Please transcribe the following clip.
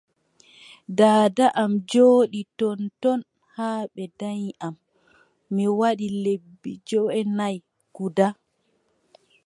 Daada am jooɗi ton ton haa ɓe danyi am mi waɗi lebbi joweenay guda.